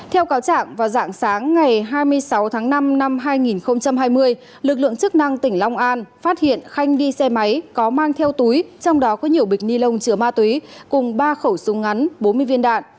theo cáo trạng vào dạng sáng ngày hai mươi sáu tháng năm năm hai nghìn hai mươi lực lượng chức năng tỉnh long an phát hiện khanh đi xe máy có mang theo túi trong đó có nhiều bịch ni lông chứa ma túy cùng ba khẩu súng ngắn bốn mươi viên đạn